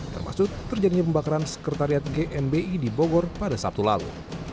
termasuk terjadinya pembakaran sekretariat gmbi di bogor pada sabtu lalu